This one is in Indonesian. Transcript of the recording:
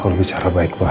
kalau bicara baik baik